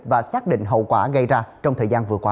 và xác định hậu quả gây ra trong thời gian vừa qua